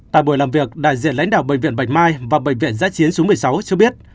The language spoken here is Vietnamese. tại buổi làm việc đại diện lãnh đạo bệnh viện bạch mai và bệnh viện giã chiến số một mươi sáu cho biết